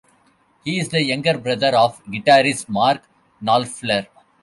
He is the younger brother of guitarist Mark Knopfler.